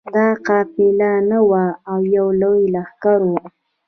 دا قافله نه وه او یو لوی لښکر وو.